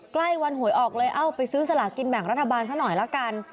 ใกล้วันหวยออกเลยเอ้าไปซื้อสลากินแบ่งรัฐบาลซะหน่อยละกัน